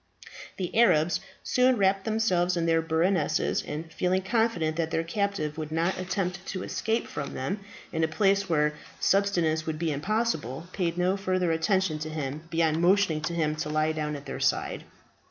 The Arabs soon wrapped themselves in their burnouses, and feeling confident that their captive would not attempt to escape from them, in a place where subsistence would be impossible, paid no further attention to him beyond motioning to him to lie down at their side.